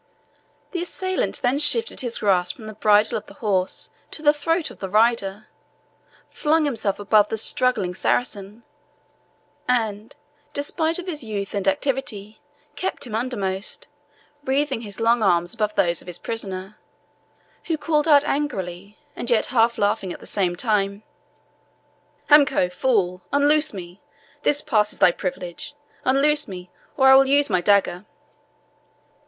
The assailant then shifted his grasp from the bridle of the horse to the throat of the rider, flung himself above the struggling Saracen, and, despite of his youth and activity kept him undermost, wreathing his long arms above those of his prisoner, who called out angrily, and yet half laughing at the same time "Hamako fool unloose me this passes thy privilege unloose me, or I will use my dagger."